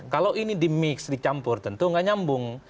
kalau ini di mix dicampur tentu nggak nyambung